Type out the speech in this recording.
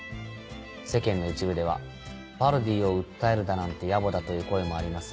世間の一部では「パロディーを訴えるだなんて野暮だ」という声もあります。